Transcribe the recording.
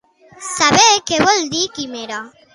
Saber què vol dir quimera.